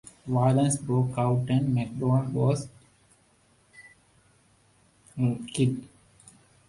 Violence broke out and MacDonald was killed.